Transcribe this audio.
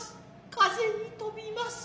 風に飛びます